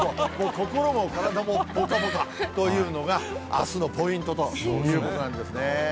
心も体もぽかぽかというのが、あすのポイントということなんですね。